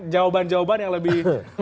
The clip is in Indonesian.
jawaban jawaban yang lebih